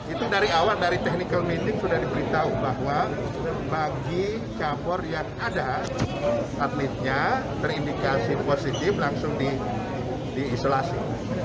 itu dari awal dari technical meeting sudah diberitahu bahwa bagi cabur yang ada atletnya terindikasi positif langsung diisolasi